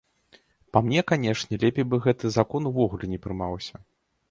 Па мне, канешне, лепей бы гэты закон увогуле не прымаўся.